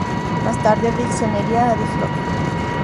Más tarde, Riggs se uniría a The Flock.